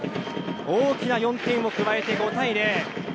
大きな４点を加えて５対０。